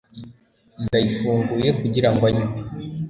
Ndayifunguye kugirango anywe